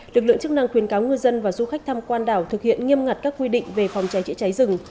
lực lượng chức năng khuyến cáo ngư dân và du khách tham quan đảo thực hiện nghiêm ngặt các quy định về phòng cháy chữa cháy rừng